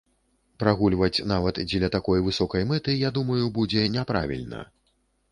Прагульваць нават дзеля такой высокай мэты, я думаю, будзе няправільна.